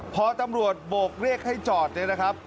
พอตำรวจโบกเรียกให้จอดเนี่ยนะครับ